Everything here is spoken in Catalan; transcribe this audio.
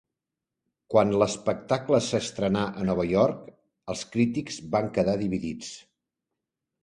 Quan l'espectacle s'estrenà a Nova York els crítics van quedar dividits.